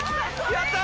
やった！